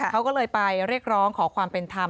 เขาก็เลยไปเรียกร้องขอความเป็นธรรม